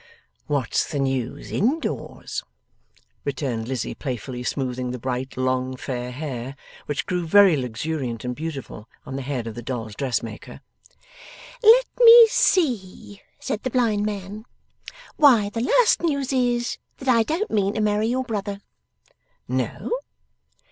'What's the news in doors?' returned Lizzie, playfully smoothing the bright long fair hair which grew very luxuriant and beautiful on the head of the doll's dressmaker. 'Let me see, said the blind man. Why the last news is, that I don't mean to marry your brother.' 'No?